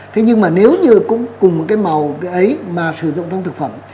thế nhưng mà nếu như cũng cùng cái màu ấy mà sử dụng trong thực phẩm